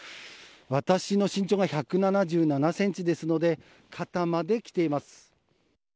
私の身長が１７７ｃｍですので肩まできています。